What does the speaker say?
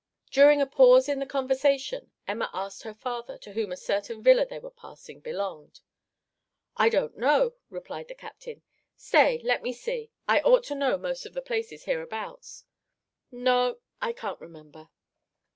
During a pause in the conversation, Emma asked her father to whom a certain villa they were passing belonged. "I don't know," replied the captain; "stay, let me see, I ought to know most of the places hereabouts no, I can't remember."